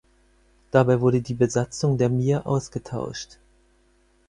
Dabei wurde die Besatzung der Mir ausgetauscht.